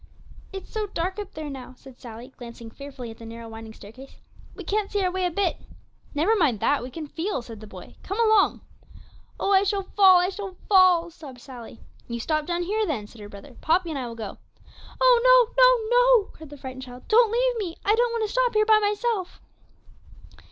'It's so dark up there now,' said Sally, glancing fearfully at the narrow, winding staircase; 'we can't see our way a bit.' 'Never mind that, we can feel,' said the boy; 'come along.' 'Oh! I shall fall I shall fall!' sobbed Sally. 'You stop down here, then,' said her brother. 'Poppy and I will go.' 'Oh no, no, no!' cried the frightened child; 'don't leave me; I don't want to stop here by myself.'